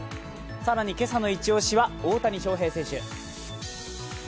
更に今朝のイチ押しは大谷翔平選手。